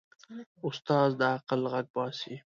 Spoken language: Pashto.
استاد د عقل غږ باسي.